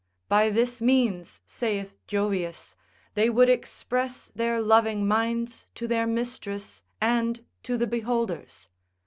By this means, saith Jovius, they would express their loving minds to their mistress, and to the beholders.